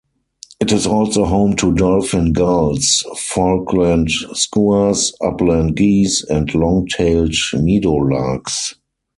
It is also home to dolphin gulls, Falkland skuas, upland geese and long-tailed meadowlarks.